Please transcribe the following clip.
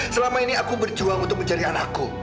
selama ini aku berjuang untuk mencari anakku